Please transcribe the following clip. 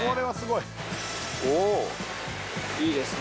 いいですね。